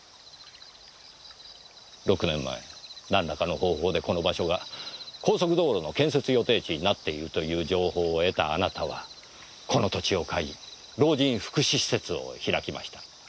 ６年前何らかの方法でこの場所が高速道路の建設予定地になっているという情報を得たあなたはこの土地を買い老人福祉施設を開きました。